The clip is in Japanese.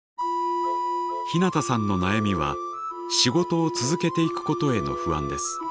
ひなたさんの悩みは仕事を続けていくことへの不安です。